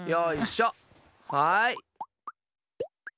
はい。